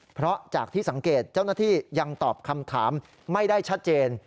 เพราะจากที่สังเกตเจ้าหน้าที่ยังตอบคำถามไม่ได้ชัดเจน